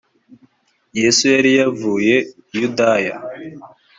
yesu yari yavuye i yudaya